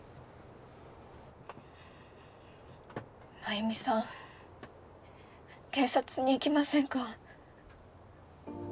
繭美さん警察に行きませんか？